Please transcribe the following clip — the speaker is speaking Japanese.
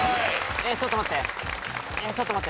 えっちょっと待って？